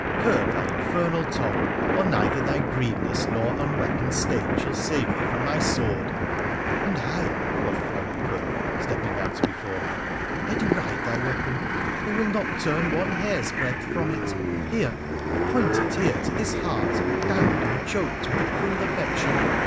Curb thy infernal tongue, or neither thy greenness nor unweaponed state shall save thee from my sword !'' And I,' quoth Flamaucoeur, stepping out before me —' I deride thy weapon — I will not turn one hair's breadth from it — here ! point it here, to this heart, dammed and choked with a cruel affection